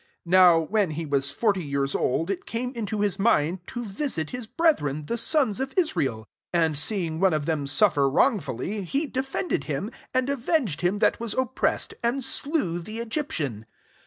£3 Now, when he was forty years old, it came into his mind to visit his brethren, the sons of Israel. £4 And seeing one q/* them suflFer wrongfully, he defended him^ and avenged him that was oppressed, and slew the Egyptian.